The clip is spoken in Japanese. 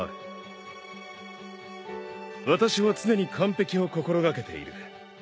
私は常に完璧を心掛けている。